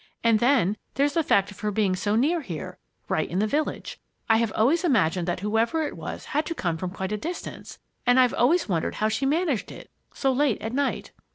And then, there's the fact of her being so near here right in the village. I have always imagined that whoever it was had to come from quite a distance, and I've always wondered how she managed it, so late at night."